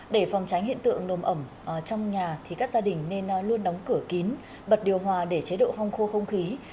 để phòng tránh hiện tượng nồm ẩm trong nhà thì các gia đình nên luôn đóng cửa kín bật điều hòa để chế độ hong khô không khí